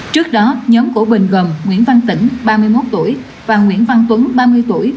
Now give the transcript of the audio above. trước đó nhóm của bình gồm nguyễn văn tỉnh ba mươi một tuổi và nguyễn văn tuấn ba mươi tuổi